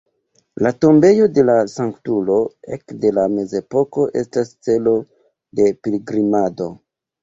La tombejo de la sanktulo ekde la mezepoko estas celo de pilgrimado.